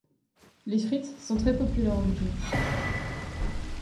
Les frites sont très populaires en Belgique.